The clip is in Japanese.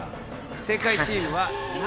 正解チームはなし。